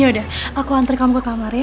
ya udah aku anter kamu ke kamar ya